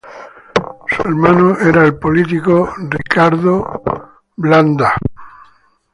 Su hermano era el político Richard Bland Lee.